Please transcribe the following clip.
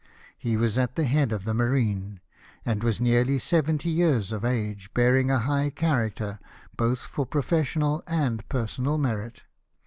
He was at the head of the marine, and was nearly seventy years of age, bearing a high character, both for professional and personal merit.